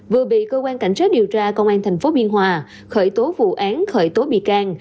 vừa bị cơ quan cảnh sát điều tra công an tp biên hòa khởi tố vụ án khởi tố bị can